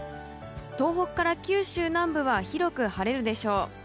東北から九州南部は広く晴れるでしょう。